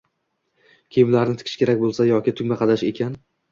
Kiyimlarni tikish kerak boʻlsa yoki tugma qadash ekan